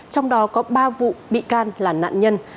trong đó có ba vụ bị can là nạn nhân